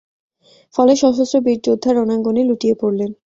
ফলে সশস্ত্র বীরযোদ্ধা রণাঙ্গনে লুটিয়ে পড়লেন।